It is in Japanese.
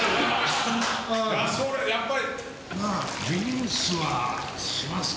やっぱり。